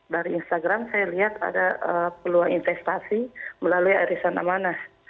dari instagram saya lihat ada peluang investasi melalui arisan amanah